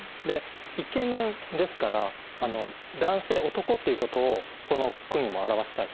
「イケメン」ですから男性男っていうことをこの句にも表したいと。